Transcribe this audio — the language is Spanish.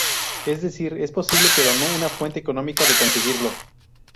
Es decir, es posible, pero no es una fuente económica de conseguirlo.